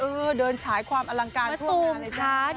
เออเดินฉายความอลังการทั่วงานเลยจ้า